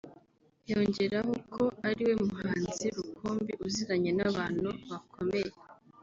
yongeraho ko ari we muhanzi rukumbi uziranye n’abantu bakomeye